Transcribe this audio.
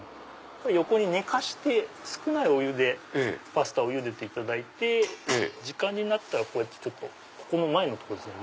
横に寝かして少ないお湯でパスタをゆでていただいて時間になったらこうやってここの前のとこですね